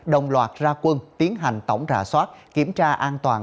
đồng loạt ra quân tiến hành tổng rạ soát kiểm tra an toàn